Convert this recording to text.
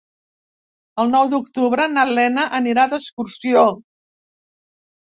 El nou d'octubre na Lena anirà d'excursió.